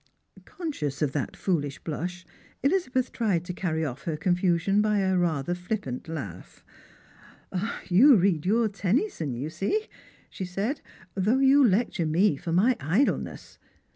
Conscious of that foolish blush, Elizabeth tried to carry o.'T her confusion by a rather flippant laugh. " You read your Tennyson, you see," she said, " tliough you 12 Strangers and Pilgrims. lecture me for my idleness.